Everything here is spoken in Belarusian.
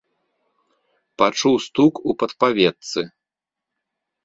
Пачуў стук у падпаветцы.